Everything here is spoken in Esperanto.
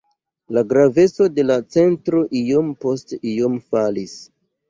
La graveco de la centro iom post iom falis.